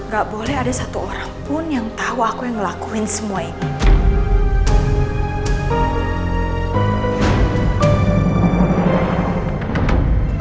gak boleh ada satu orang pun yang tahu aku yang ngelakuin semua ini